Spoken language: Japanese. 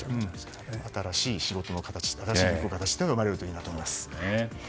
新しい仕事の形が生まれるといいなと思います。